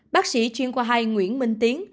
bác sĩ chuyên qua hai nguyễn minh tiến